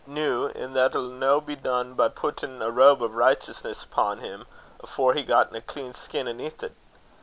Noo! An' that'll no be dune by pittin' a robe o' richteousness upo' him, afore he's gotten a clean skin aneath't.